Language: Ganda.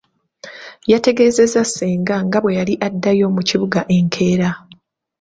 Yategeeza ssenga nga bwe yali addayo mu kibuga enkeera.